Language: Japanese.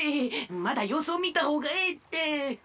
まだようすをみたほうがええって！